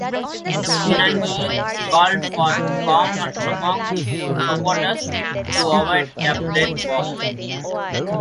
Tiangaye called for calm among his supporters to avoid a bloodbath.